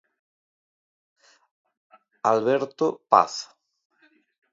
Alberto Paz.